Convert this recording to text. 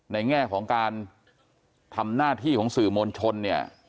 แง่ของการทำหน้าที่ของสื่อมวลชนเนี่ย